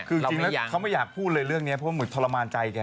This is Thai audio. คือจริงแล้วเขาไม่อยากพูดเลยเรื่องนี้เพราะว่าเหมือนทรมานใจแก